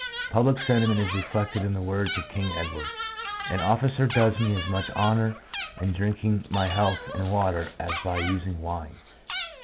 Public sentiment is reflected in the words of King Edward, " An officer does me as much honour in drinking my health in water as by using wine."